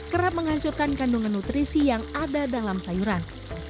kerap menghancurkan kandungan nutrisi yang ada dalam sayuran